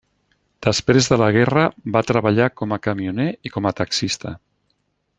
Després de la guerra va treballar com a camioner i com a taxista.